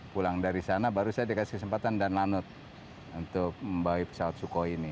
pulang dari sana baru saya dikasih kesempatan dan lanut untuk membawai pesawat sukhoi ini